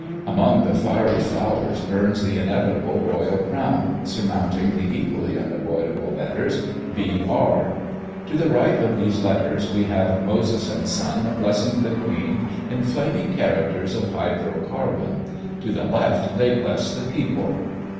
Among the fiery flowers burns the inevitable royal crown, surmounting the equally unavoidable letters V.R. To the right of these letters we have Moses and Son blessing the Queen in flaming characters of hydro carbon; to the left they bless the people.